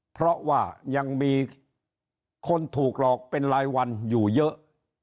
เพราะว่ายังมีคนถูกหลอกเป็นรายวันอยู่เยอะ